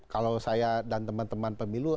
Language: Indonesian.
kalau saya dan teman teman pemilu